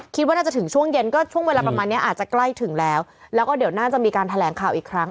คิดว่าน่าจะถึงช่วงเย็นก็ช่วงเวลาประมาณเนี้ยอาจจะใกล้ถึงแล้วแล้วก็เดี๋ยวน่าจะมีการแถลงข่าวอีกครั้ง